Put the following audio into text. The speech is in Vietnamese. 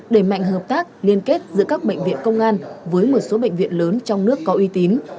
đẩy mạnh hợp tác liên kết giữa các bệnh viện công an với một số bệnh viện lớn trong nước có uy tín